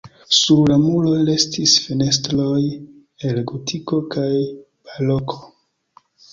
Sur la muroj restis fenestroj el gotiko kaj baroko.